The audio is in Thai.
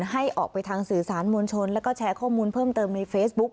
ให้ออกไปทางสื่อสารมวลชนแล้วก็แชร์ข้อมูลเพิ่มเติมในเฟซบุ๊ก